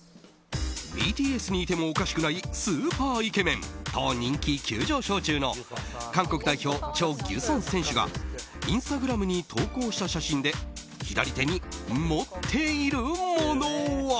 ＢＴＳにいてもおかしくないスーパーイケメンと人気急上昇中の韓国代表、チョ・ギュソン選手がインスタグラムに投稿した写真で左手に持っているものは。